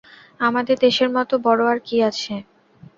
আমাদের দেশের মতো বড়ো আর কী আছে!